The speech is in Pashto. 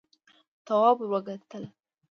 تواب ور وکتل: